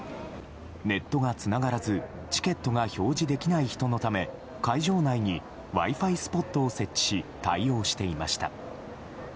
ネットがつながらずチケットが表示できない人のため会場内にＷｉ‐Ｆｉスポットを設置し対応していました。